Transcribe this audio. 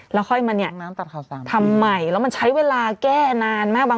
แล้วค่อยมาเนี้ยน้ำตัดข่าวสามทำใหม่แล้วมันใช้เวลาแก้นานมาก